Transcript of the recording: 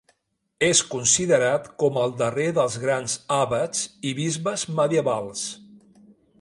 És considerat com el darrer dels grans abats i bisbes medievals.